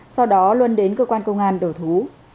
sau đó luân đến cơ quan công an đầu thú